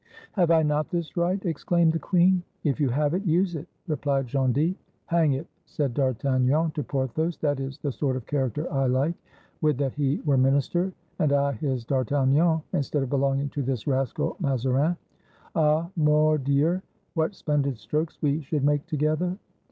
"Have I not this right?" exclaimed the queen. "If you have, use it," replied Gondy. "Hang it!" said D'Artagnan to Porthos, "that is the sort of character I like. Would that he were minister, and I his D'Artagnan, instead of belonging to this rascal Mazarin. Ah, mordieul what splendid strokes we should make together!"